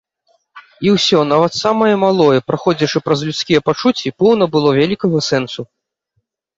І ўсё, самае нават малое, праходзячы праз людскія пачуцці, поўна было вялікага сэнсу.